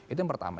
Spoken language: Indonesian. itu yang pertama